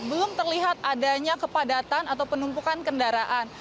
belum terlihat adanya kepadatan atau penumpukan kendaraan